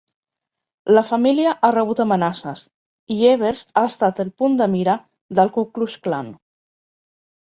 La família ha rebut amenaces i Evers ha estat el punt de mira del Ku Klux Klan.